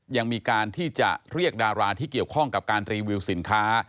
ยังมีการที่จะเรียกดาราที่เกี่ยวข้องกับการรีวิวสินค้า